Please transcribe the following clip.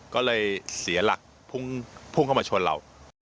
ก็เลยเสียหลักพุ่งเข้ามาชนเรา